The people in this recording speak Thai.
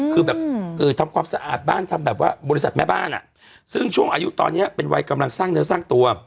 คือแบบทำความสะอาดบ้านทำแบบว่าบริษัทแม่บ้านอ่ะซึ่งช่วงอายุตอนนี้เป็นวัยกำลังสร้างเนื้อสร้างตัว